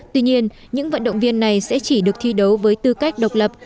tuy nhiên những vận động viên này sẽ chỉ được thi đấu với tư cách độc lập